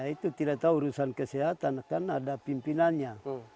itu tidak tahu urusan kesehatan kan ada pimpinannya